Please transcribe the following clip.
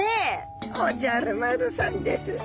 おじゃる丸さんです。